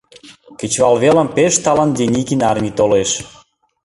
Кечывалвелым пеш талын Деникин армий толеш.